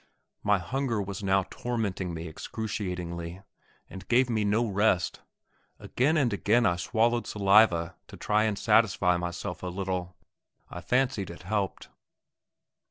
My hunger was now tormenting me excruciatingly, and gave me no rest. Again and again I swallowed saliva to try and satisfy myself a little; I fancied it helped.